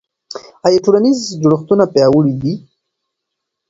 آیا ټولنیز جوړښتونه پیاوړي دي؟